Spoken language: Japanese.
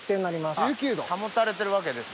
保たれてるわけですね。